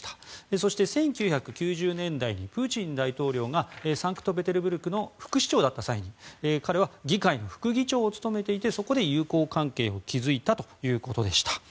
そして、１９９０年代にプーチン大統領がサンクトペテルブルクの副市長だった際に彼は議会の副議長を務めていてそこで友好関係を築いたということでした。